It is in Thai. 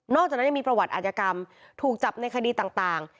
จากนั้นยังมีประวัติอาจกรรมถูกจับในคดีต่าง